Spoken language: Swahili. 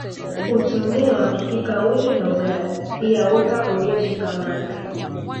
Hutumiwa kupika uji na ugali pia unga ulioshikamana